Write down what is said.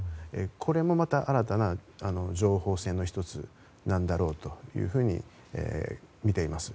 これもまた新たな情報戦の１つなんだろうとみています。